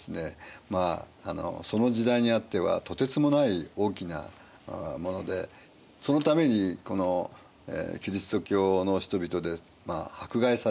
まあその時代にあってはとてつもない大きなものでそのためにこのキリスト教の人々で迫害されると。